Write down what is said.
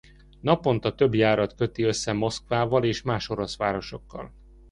Naponta több járat köti össze Moszkvával és más orosz városokkal.